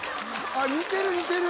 似てる似てる。